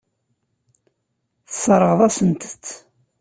Tesseṛɣeḍ-asent-t.